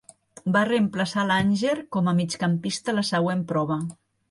Va reemplaçar a Langer com a migcampista a la següent prova.